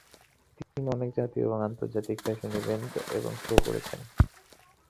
তিনি অনেক জাতীয় এবং আন্তর্জাতিক ফ্যাশন ইভেন্ট এবং শো করেছেন।